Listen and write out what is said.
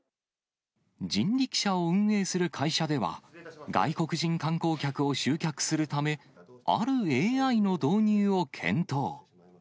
人力車を運営する会社では、外国人観光客を集客するため、あるＡＩの導入を検討。